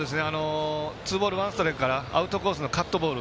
ツーボールワンストライクからアウトコースのカットボール。